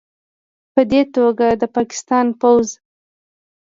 پدې توګه، د پاکستان پوځ